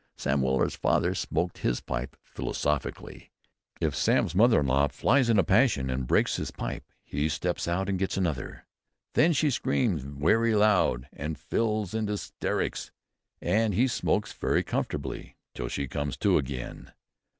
Sam Weller's father smoked his pipe philosophically. If Sam's "mother in law" "flies in a passion, and breaks his pipe, he steps out and gets another. Then she screams wery loud, and falls into 'sterics; and he smokes wery comfortably 'till she comes to agin."